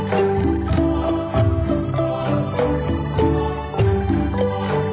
ที่สุดท้ายที่สุดท้ายที่สุดท้าย